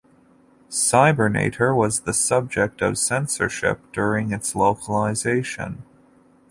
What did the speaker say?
"Cybernator" was the subject of censorship during its localization.